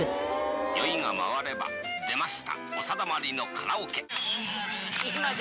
酔いが回れば、出ました、お定まりのカラオケ。